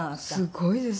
すごいです。